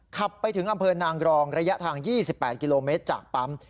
ขับไปถึงอำเภอนางรองระยะทาง๒๘กิโลเมตรจากปั๊ม